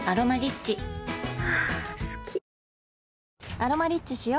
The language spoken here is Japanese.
「アロマリッチ」しよ